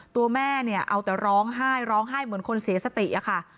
ตัวแม่เนี่ยเอาแต่ร้องไห้ร้องไห้เหมือนคนเสียสติอะค่ะ